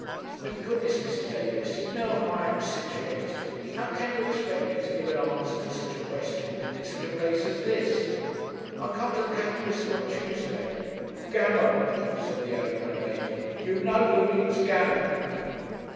'My goodness, Mrs. Davis, you know how I am situated how can you expect me to give an answer to such a question in such a place as this? I'll come to the 'Cat and Whistle' on Tuesday.' 'Gammon!' said the eloquent lady. 'You know you means gammon.'